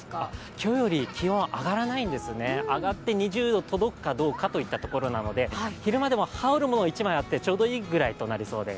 今日より気温、上がらないんですね、上がって２０度届くかどうかなので昼間でも羽織るもの１枚あってちょうどいいぐらいとなりそうです。